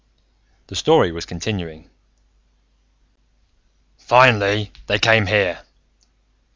The story was continuing.... "... finally, they came here.